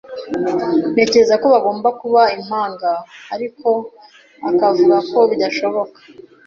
Ntekereza ko bagomba kuba impanga, ariko akavuga ko bidashoboka.